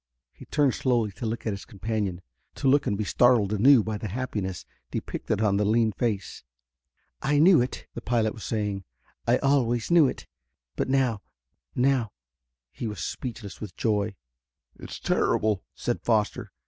He turned slowly to look at his companion; to look and be startled anew by the happiness depicted on the lean face. "I knew it," the pilot was saying. "I always knew it. But now now...." He was speechless with joy. "It's terrible!" said Foster.